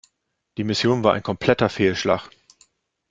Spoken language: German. Die Mission war ein kompletter Fehlschlag.